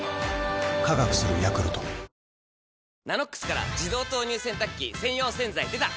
「ＮＡＮＯＸ」から自動投入洗濯機専用洗剤でた！